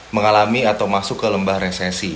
mengalami atau masuk ke lembah resesi